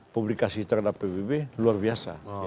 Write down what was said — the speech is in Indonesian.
publikasi terhadap pbb luar biasa